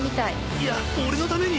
いや俺のために！